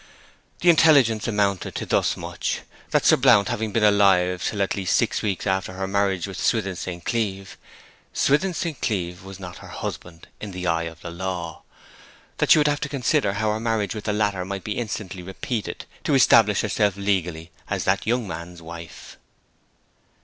The intelligence amounted to thus much: that, Sir Blount having been alive till at least six weeks after her marriage with Swithin St. Cleeve, Swithin St. Cleeve was not her husband in the eye of the law; that she would have to consider how her marriage with the latter might be instantly repeated, to establish herself legally as that young man's wife.